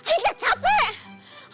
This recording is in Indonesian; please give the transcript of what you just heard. ini kita capek